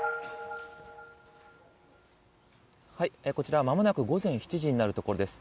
こちら、まもなく午前７時になるところです。